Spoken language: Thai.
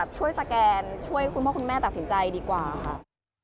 ช่วยคุณพ่อคุณแม่ตรักสินใจดีกว่าค่ะ